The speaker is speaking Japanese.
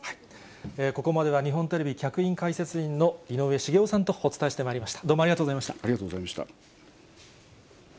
ここまでは日本テレビ客員解説員の井上茂男さんとお伝えしてまいりました。